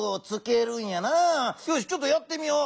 よしちょっとやってみよう。